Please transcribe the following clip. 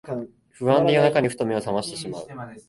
不安で夜中にふと目をさましてしまう